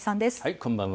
こんばんは。